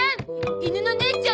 犬のねーちゃん？